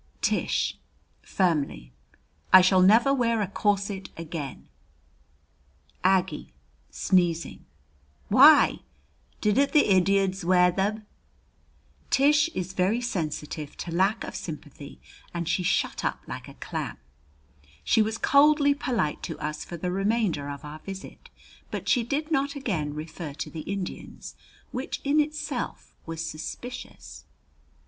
Tish (firmly): I shall never wear a corset again. Aggie (sneezing): Why? Didn't the Iddiads wear theb? Tish is very sensitive to lack of sympathy and she shut up like a clam. She was coldly polite to us for the remainder of our visit, but she did not again refer to the Indians, which in itself was suspicious.